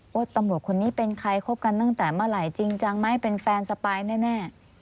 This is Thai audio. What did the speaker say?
ว่าตำรวจคนนี้เป็นใครคบกันตั้งแต่เมื่อไหร่จริงจังไหมเป็นแฟนสปายแน่